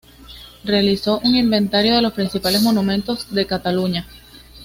Realizó un inventario de los principales monumentos de Cataluña.